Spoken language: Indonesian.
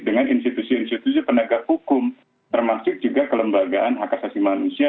dengan institusi institusi penegak hukum termasuk juga kelembagaan hak asasi manusia